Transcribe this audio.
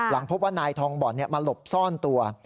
พบว่านายทองบ่อนมาหลบซ่อนตัว